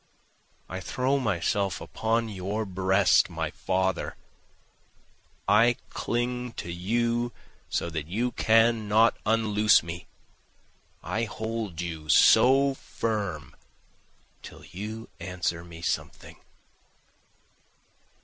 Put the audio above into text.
I throw myself upon your breast my father, I cling to you so that you cannot unloose me, I hold you so firm till you answer me something.